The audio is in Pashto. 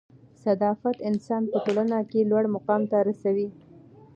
صدافت انسان په ټولنه کښي لوړ مقام ته رسوي.